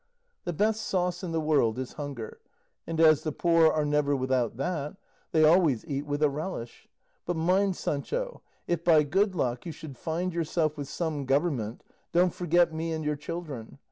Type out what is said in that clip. The best sauce in the world is hunger, and as the poor are never without that, they always eat with a relish. But mind, Sancho, if by good luck you should find yourself with some government, don't forget me and your children.